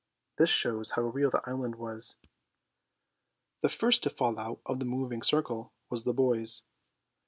This shows how real the island was. The first to fall out of the moving circle was the boys.